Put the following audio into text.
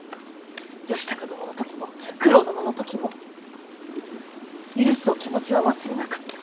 義高殿の時も九郎殿の時も許すお気持ちは忘れなかった。